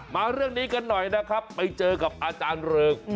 มาเรื่องนี้กันหน่อยนะครับไปเจอกับอาจารย์เริง